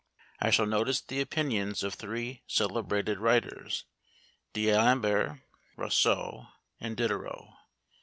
I shall notice the opinions of three celebrated writers, D'Alembert, Rousseau, and Diderot.